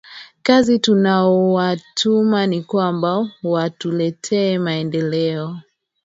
kazi tunaowatuma ni kwamba watuletee maendeleo